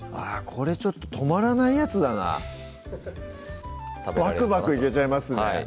これちょっと止まらないやつだなバクバクいけちゃいますねはい